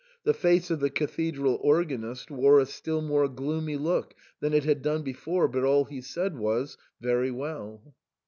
The face of the cathedral organist wore a still more gloomy look than it had done before, but all he said was, "Very well